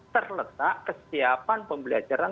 terletak kesiapan pembelajaran